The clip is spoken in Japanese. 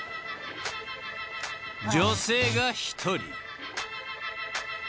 ［女性が一人］